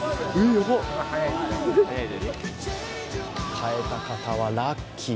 買えた方はラッキー。